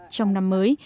trong năm mới